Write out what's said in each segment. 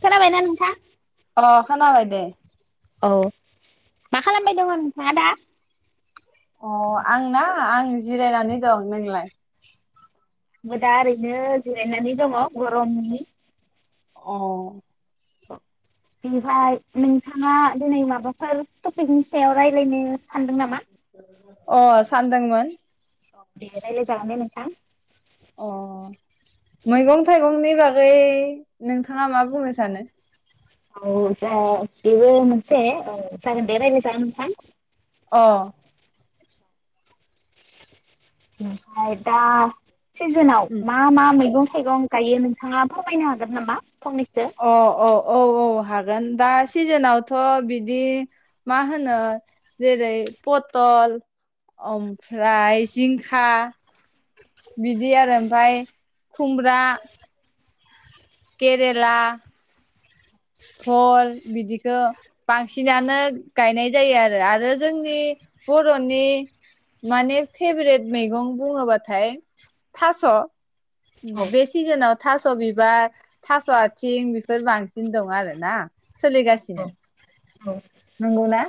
खोनाबाय ना नोंथां अ खोना बाय दे औ मा खालामबाय दङ नोंथाङा दा अ आंना आं जिरायनानै दं नोंलाय मो दा ओरैनो जिरायनानै दङ गरमनि अ बेहाय नोंथाङा दिनै माबाफोर टपिकनि सायाव रायलायनो सानदों नामा अ सानदोंमोन औ दे रायलाय जागोन दे नोंथां अ मैगं थाइगंनि बागै नोंथाङा मा बुंनो सानो औ जा बेबो मोनसे औ जागोन दे रायलाय जागोन नोंथां अ ओमफ्राय दा सिजोनाव मा मा मैगं थाइगं गायो नोंथाङा फोरमायनो हागोन नामा फंनैसो अ अ [unintelligible] औ हागोन दा सिजेनाव थ बिदि मा होनो जेरै अ ओमफ्राय जिंखा बिदि आरो ओमफाय खुमब्रा केरेला खल बिदिखौ बांसिनानो गायनाय जायो आरो आरो जोंनि बर'नि माने फेभरेट मैगं बुङोबाथाय थास' औ बे सिजोनाव थास' बिबार थास' आथिं बेफोर बांसिन दं नङा आरोना औ सोलिगासिनो नंगौ ना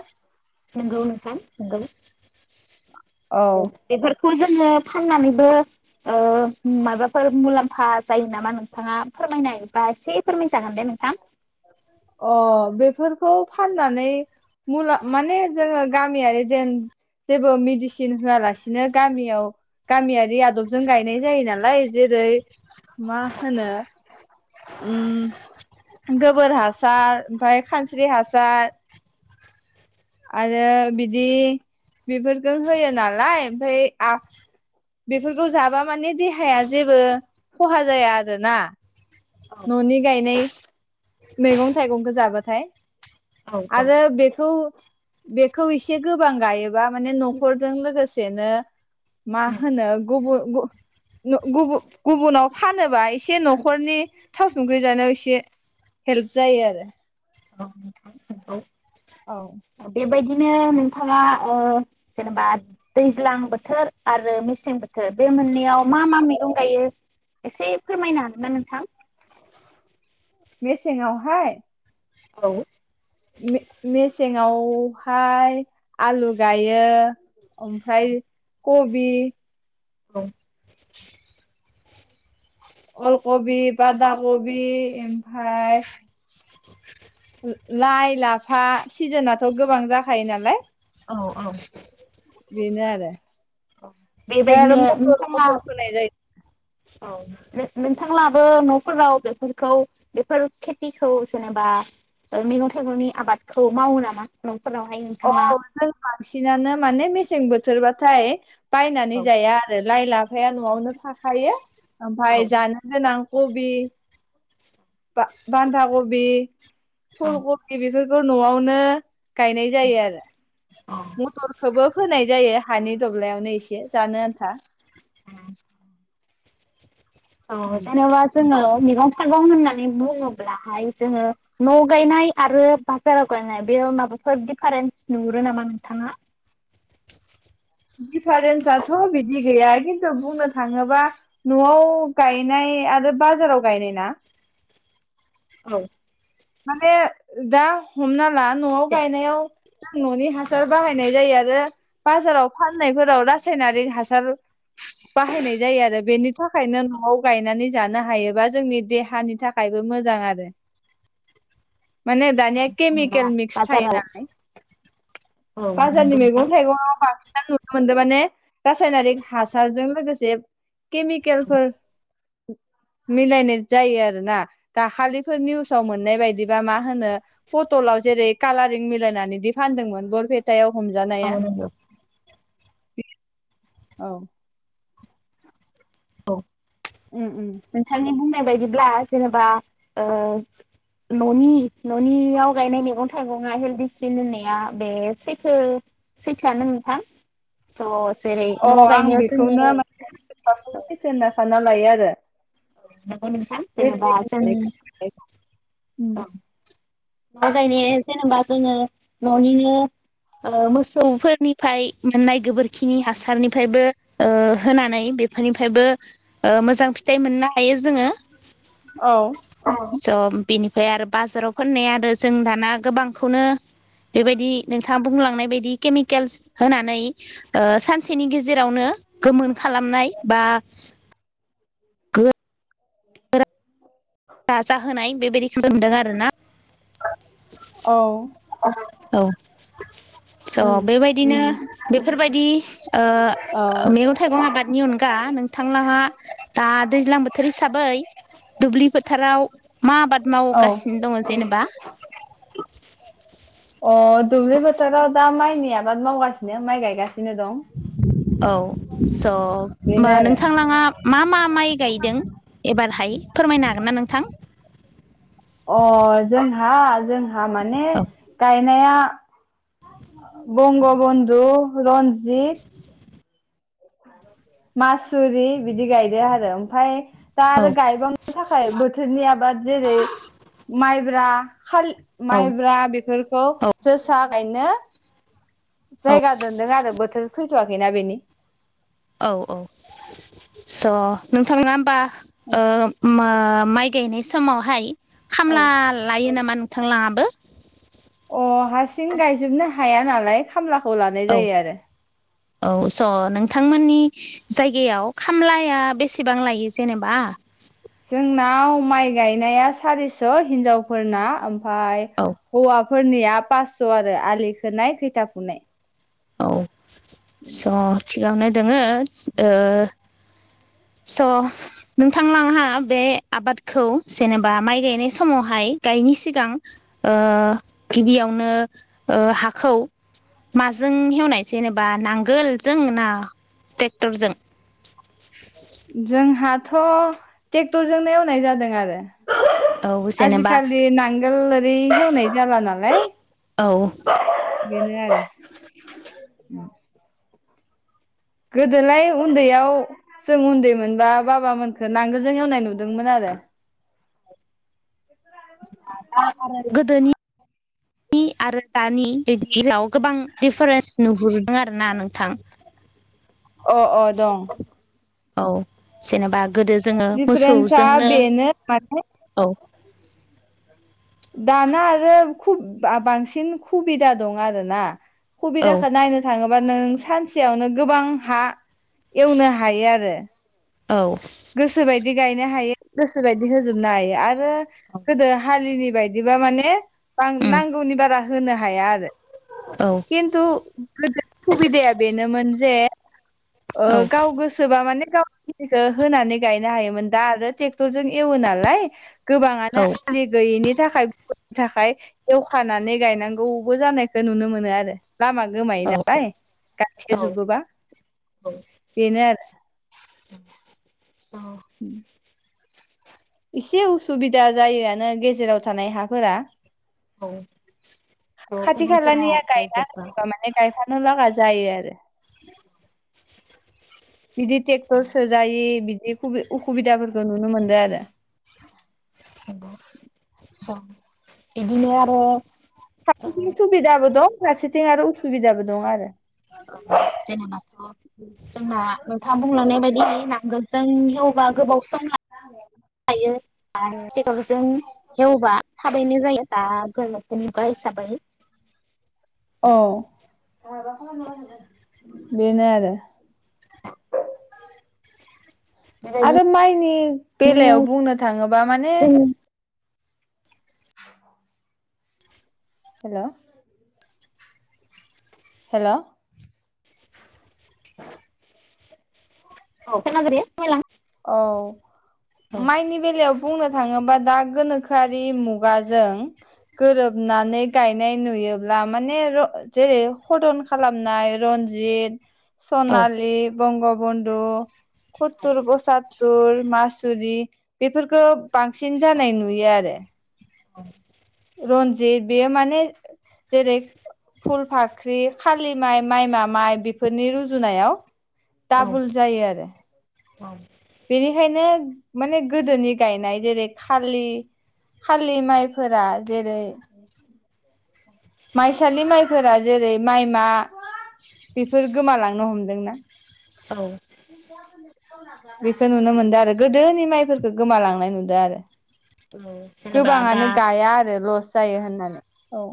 नोंगौ नोंथां नोंगौ औ बेफोरखौ जों ओ फाननानैबो माबाफोर मुलाम्फा जायो नामा नोंथाङा फोरमाय जबा एसे फोरमाय जागोन दे नोंथां अ बेफोरखौ फाननानै मुला माने जोंङो गामियारि जेन जेबो मेडिसिन होआलासिनो गामियाव गामियारि आदबजों गायनाय जायो नालाय जेरै मा होनो उम गोबोर हासार ओमफफ्राय खानस्रि हासार आरो बिदि बेफोरखौ होयो नालाय ओमफफ्राय बेफोरखौ जाबा माने देहाया जेबो खहा जाया आरोना औ न'नि गायनाय मैगं थाइगंखौ जाबाथाय औ औ आरो बेखौ बेखौ एसे गोबां गायोबा माने न'खरजों लोगोसेनो मा होनो गबुन गुबुन गुबुनाव फानोबा एसे न'खरनि थाव संख्रि जानायाव एसे हेल्प जायो आरो नोंथां नंगौ। औ बेबायदिनो नोंथाङा जेनेबा दैज्लां बोथोर आरो मेसें बोथोर बे मोननैयाव मा मा मैगं गायो एसे फोरमायनो हागोन ना नोंथां मेसेंआवहाय औ मेसेंआवहाय आलु गायो ओमफ्राय कबि औ अलकबि बादा कबि ओमफ्रायाय लाइ लाफा सिजोनथ' गोबां जाखायो नालाय औ औ। बिनो आरोे बेबायदिनो नोंथाङा जायो औ नोंथांलाबो न'फोराव बेफोरखौ बेफोर खेथिखौ जेनेबा मैगं थाइगंनि आबादखौ मावो नामा न'फोरावहाय अ नोंथाङा जों बांसिनानो माने मेसें बोथोरबाथाय बायनानै औ जाया आरो लाइ लाफाया न'आवनो थाखायो औ ओमफाय जानो गोनां कबि बा बान्धाागबि औ फुल खबि बेफोरखौ न'आवनो गायनाय जायो आरो मथरखौबो फोनाय जायो हानि दब्लायावनो एसे जानो आन्था उम औ जनबा जों मैगं थाइगं होननानै बुङोब्लाहाय जोङो न' गायनाय आरो बाजाराव गायनाय बे माबाफोर दिफारेन्स नुहुरो नामा नोंथाङा दिफारेन्साथ' बिदि गैया खिन्थु बुंनो थाङोबा न'आव गायनाय आरो बाजाराव गायनाय ना औ माने दा हमना ला न'आव गायनायाव जों न'नि हासार बाहायनाय जायो आरो बाजाराव फाननायफोराव रासायनारि हासार बाहायनाय जायो आरो बेनि थाखायनो न'आव गायनानै जानो हायोबा जोंनि देहानि थाखायबो मोजां आरो [unintelligible] माने दानिया जेनेबा केमिकेल मिक्स थायो बाजाराव नालाय औ बाजारनि नंगौ नोंथां मैगं थाइगंआव बांसिन नु मोनदों माने रासायनारिक हासारजों लोगोसे केमिकेलफोर मिलायनाय जायो आरोना दाखालिफोर निउस फाव मोननाय बायदिबा मा होनो पटलाव जेरै कालारिं मिलायनानै दि फानदोंमोन बरपेटायाव औ हमजानाया नंगौ औ। औ। उम उम नोंथांनि बुंनाय बायदिब्ला जेनेबा ओ। ननि ननियाव गायनाय मैगं थाइगंआ हेलडिसिन होननाया बे सैथो सैथोआनो नोंथां। लस जेरै अ न आं गायनायाव बेखौनो जोंङो माने बांसिन औ। सैथो होनना सानना लायो आरो नंगौ नोंथां जेनेबा जों उम। न गायनाया जेनेबा जोंङो ननिनो ओ मोसौफोरनिफ्राय मोननाय गोबोरखिनि हासारनिफ्रायबो ओ होनानै बेफोरनिफ्रायबो ओ मोजां फिथाइ मोननो हायो जोंङो औ स बिनिफ्राय आरो बाजाराव फाननाय आरो जों दाना गोबांखौनो बेबायदि नोंथाङा बुंलांनाय बायदि केमिकेल्स होनानै ओ सानसेनि गेजेरावनो गोमोन खालामनाय बा। [inaudible] दाजा होनोनाय बेबायदिखौ नुनो मोनदों आरोना। औ। औ। स उम बेबायदिनो उम बेफोरबायदि ओ औ मैगं थाइगं आबादनि अनगा नोंथांलाहा दा दैज्लां बोथोर हिसाबै दुब्लि फोथाराव मा आबाद औ मावगासिनो दङ जेनेबा अह दुब्लि फोथाराव दा माइनि आबाद मावगासिनो माइ गायगासिनो दं औ स होनबा बेनो आरो नोंथांलाङा मा मा माइ गायदों एबार हाय फोरमायनो हागोन ना नोंथां। अह जोंहा जोंहा माने गाय औ गायनाया बंग बन्धु रन्जित मासुरि बिदि गायदों आरो ओमफ्राय दा औ आरो गायबावनो थाखाय बोथोरनि आबाद जेरै माइब्रा औ माइब्रा बेफोरखौ औ जोसा गायनो औ जायगा दोनदों आरो बोथोर फैथवाखैना बेनि औ औ स नोंथाङा होमबा ओ मा ओ माइ गायनाय समावहाय औ खामला लायो नामा नोंथांलाङाबो अह हारसिं गायजोबनो हाया नालाय खामलाखौ लानाय औ जायो आरो। औ स नोंथांमोननि जायगायाव खामलाया बेसेबां लायो जेनेबा जोंनाव माइ गायनाया सारिस हिनजावफोरना ओम ओमफाय औ हौवाफोरनिया पास्स आरो आलि खोनाय खैथिया फुनाय औ स थिगानो दोङो ओ स नोंथांलांहा बे आबादखौ जेनेबा माइ गायनाय समावहाय गायिनि सिगां ओ गिबियावनो हाखौ माजों हेवनाय जेनेबा नांगोल जों ना ट्रेक्टरजों [inaudible] जोंहाथ ट्रेक्टरजोंनो एवनाय जादों आरो। औ जेनेबा आजिखालि नांगोल ओरै हेवनाय जाला नालाय औ बिनो आरो गोदोलाय उन्दैयाव जों उन्दै मोनबा बाबामोनखो नांगोलजों एवनाय नुदोंमोन आरो दा आरो गोदोनि आरो दानि बिदिलाव गोबां दिफारेन्स नुहुरदों आरो ना नोंथां अ अ दं औ जेनेबा गोदो जोङो दिफारेन्सआ मोसौजोंनो बेनो माने औ दाना आरो बांसिन खुबिदा दं आरोना औ सुबिदाखौ नायनो थाङोबा नों सानसेयावनो गोबां हा एवनो हायो आरो औ गोसोबायदि गायनो हायो गोसो बायदि होजोबनो हायो आरो आरो गोदो हालिनि बायदिबा माने उम नांगौनि बारा होनो हाया आरो औ खिन्थु बा खुबदाया बेनो मोनजे ओ औ गाव गोसोबा माने गाविनिखौ होनानै गायनो हायोमोन दा आरो ट्रेक्टरजों एवो नालाय गोबाङानो आलि गैयिनि नि थाखायनि थाखाय एवखानानै गायनांगौबो जानायखौ नुनो मोनो आरो लामा गोमायो औ नालाय गाइखो जोबोबा बेनो आरो उ एसे उसुबिदा जायोआनो गेजेराव थानाय हाफोरा औ खाथि गुबुनफोरा खालानिया गायना गायजोबबा होयोबा माने गायफानो लागा जायो आरो बिदि ट्रेक्टरसो जायो बिदि उखुबिदाफोरखौ नुनो मोनदों आरो आंङो बिदिनो आरो हारसेथिं सुबिदाबो दं फारसेथिं आरो उसुबिदाबो दं आरो जेनेबाथ' जोंना नोंथाङा बुंलांनाय बायदि नांगोलजों एवबा गोबाव सम आ दायो आरो टेक्टरजों एवबा थाबैनो जायो। गनि गाय हिसाबै अ बेनो आरो। [inaudible] बेबायदि आरो माइनि औ बेलायाव बुंनो थाङोबा माने। हेलौ हेल' औ सामग्रि औ माइनि बेलायाव बुंनो थाङोबा दा गोनोखोआरि मुगाजों गोरोबनानै गायनाय नुयोब्ला माने जेरै हदन खालामनाय र जेरै औ सनालि, बंगबनदु, खथरबस साथुर मासुरि बेफोरखौ बांसिन जानाय नुयो आरो रन्जिद बियो माने जेरै फुल फाख्रि खालि माइ माइ मा माइ बेफोरनि रुजुनायाव औ टाबुल जायो आरो बेनिखायनो माने गोदोनि गायनाय जेरै खालि हालि माइफोरा जेरै माइसालि माइफोरा जेरै माइमा बेफोर गोमालांनो हमदोंना औ बेखौ नुनो मोनदों आरो गोदोनि माइफोरखौ गोमालांनाय नुदों आरो औ गोबाङानो गाया आरो लस जायो होननानै औ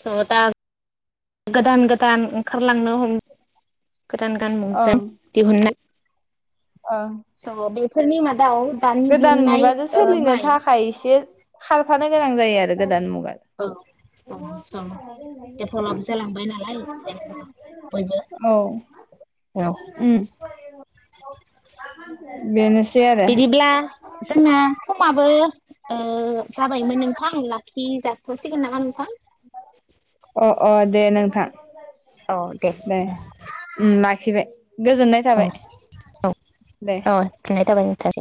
थ' दा गोदान गोदान ओंखारलांनो हम गोदान गान मुंजों ओं दिहुननाय ओं औ बेफोरनि मा गोदान मुगाजों सोलिनो थाखाय इसे खारफानो गोनां जायो आरो गोदान मुगा [unintelligible] डेभेलप जालांबाय नालाय जेनबा बयबो औ उम [unintelligible] बेनोसै आरो आ जोंना समाबो ओ जाबायमोन नोंथां लाखिजा थ'सिगोन नामा नोंथां अ अ दे नोंथां अ दे उम उम लाखिबाय गोजोननाय थाबाय दे औ गोजोननाय थाबाय नोंथां।